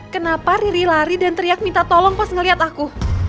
kenapa riri lari dan teriak minta tolong pas ngeliat aku